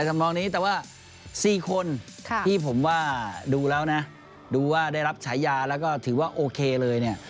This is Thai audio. ทำนองนี้แต่ว่า๔คนที่ผมว่าดูแล้วนะดูว่าได้รับฉายาแล้วก็ถือว่าโอเคเลยเนี่ย